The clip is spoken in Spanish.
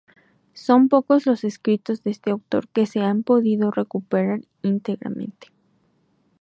Son pocos los escritos de este autor que se han podido recuperar íntegramente.